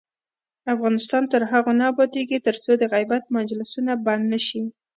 افغانستان تر هغو نه ابادیږي، ترڅو د غیبت مجلسونه بند نشي.